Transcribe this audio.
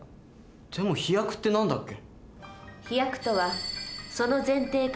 でも飛躍って何だっけ？